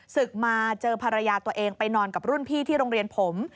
ศึกมาเจอภรรยาตัวเองไปนอนกับรุ่นพี่ที่โรงเรียนผม